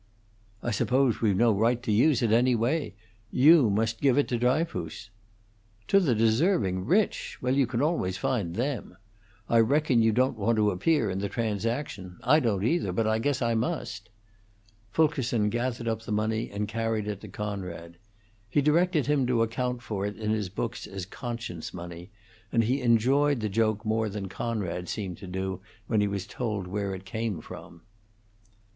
"I suppose we've no right to use it in any way. You must give it to Dryfoos." "To the deserving rich? Well, you can always find them. I reckon you don't want to appear in the transaction! I don't, either; but I guess I must." Fulkerson gathered up the money and carried it to Conrad. He directed him to account for it in his books as conscience money, and he enjoyed the joke more than Conrad seemed to do when he was told where it came from.